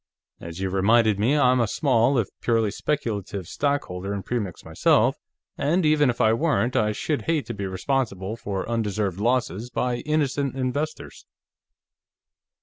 As you reminded me, I'm a small, if purely speculative, stockholder in Premix, myself, and even if I weren't, I should hate to be responsible for undeserved losses by innocent investors."